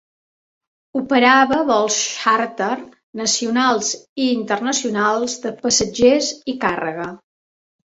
Operava vols xàrter nacionals i internacionals de passatgers i càrrega.